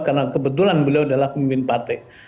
karena kebetulan beliau adalah pemimpin partai